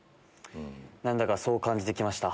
何だかそう感じて来ました。